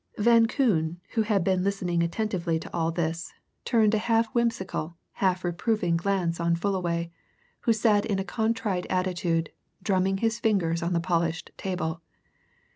Van Koon, who had been listening attentively to all this, turned a half whimsical, half reproving glance on Fullaway, who sat in a contrite attitude, drumming his fingers on the polished table.